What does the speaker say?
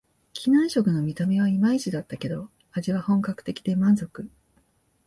機内食の見た目はいまいちだったけど、味は本格的で満足